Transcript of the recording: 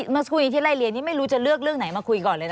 เมื่อสักครู่นี้ที่ไล่เรียนนี่ไม่รู้จะเลือกเรื่องไหนมาคุยก่อนเลยนะ